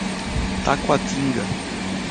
Taguatinga